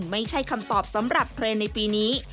ไม่ใช่คำตอบสำหรับเทรนด์ในปีนี้